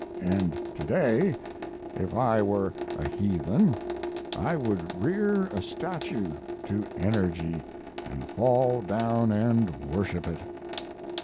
And to day, if I were a heathen, I would rear a statue to Energy, and fall down and worship it!